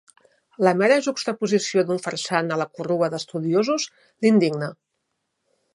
La mera juxtaposició d'un farsant a la corrua d'estudiosos l'indigna.